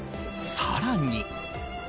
更に。